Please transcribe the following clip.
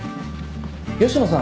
吉野さん